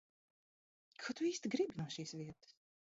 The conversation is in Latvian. Ko tu īsti gribi no šīs vietas?